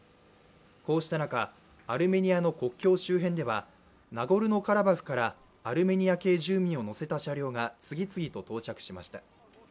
こうした中、アルメニアの国境周辺ではナゴルノ・カラバフからアルメニア系住民を乗せた車両が次々と到着しました。